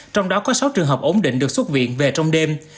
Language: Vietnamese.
trong đó có sáu trường hợp ổn định được xuất viện về trong đêm